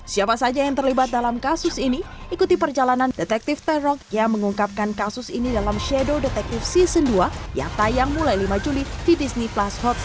siapa saja yang terlibat dalam kasus ini ikuti perjalanan detektif tae rock yang mengungkapkan kasus ini dalam shadow detective season dua yang tayang mulai lima juli di disney plus hots